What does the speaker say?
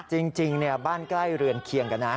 จริงบ้านใกล้เรือนเคียงกันนะ